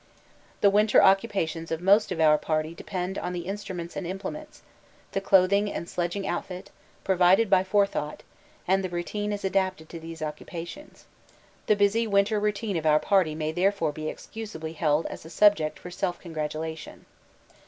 The winter occupations of most of our party depend on the instruments and implements, the clothing and sledging outfit, provided by forethought, and the routine is adapted to these occupations. The busy winter routine of our party may therefore be excusably held as a subject for self congratulation.